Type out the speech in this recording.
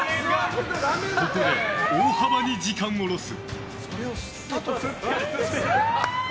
ここで、大幅に時間をロス。